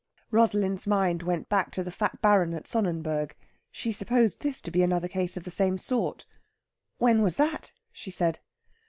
Rosalind's mind went back to the fat Baron at Sonnenberg. She supposed this to be another case of the same sort. "When was that?" she said.